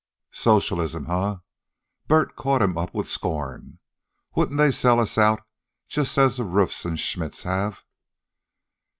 "Socialism, eh?" Bert caught him up with scorn. "Wouldn't they sell us out just as the Ruefs and Schmidts have?"